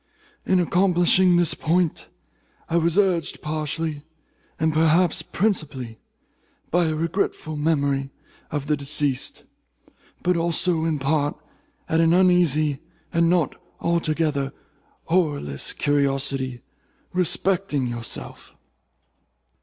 In accomplishing this point, I was urged partly, and perhaps principally, by a regretful memory of the deceased, but also, in part, by an uneasy, and not altogether horrorless curiosity respecting yourself.